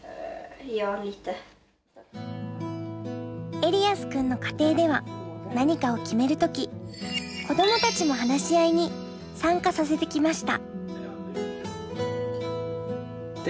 エリアス君の家庭では何かを決める時子どもたちも話し合いに参加させてきました。